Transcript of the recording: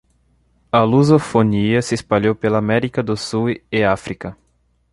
A lusofonia se espalhou pela América do Sul e África